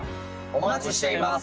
お待ちしています！